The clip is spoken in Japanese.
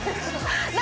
何？